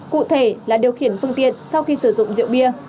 cụ thể là điều khiển phương tiện sau khi sử dụng rượu bia